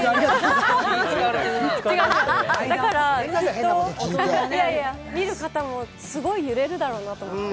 だから、見る方もすごい揺れるだろうなと思って。